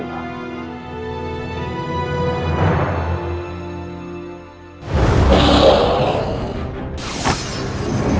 kamu mungkin mempunyai sebutan